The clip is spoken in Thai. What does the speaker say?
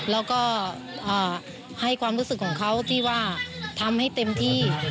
แล้วก็ให้ความรู้สึกของเขาที่ว่าทำให้เต็มที่